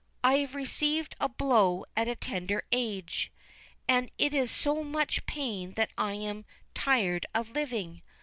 I have received a blow at a tender age ; and it is so much pain that I am tired of living.